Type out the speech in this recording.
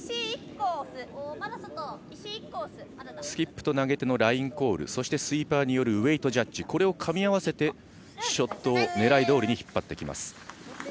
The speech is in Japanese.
スキップと投げ手のラインコールそして、スイーパーによるウエイトジャッジこれをかみ合わせてショットを狙いどおりに引っ張ってきます。